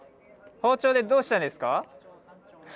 包丁でどうしたんですか？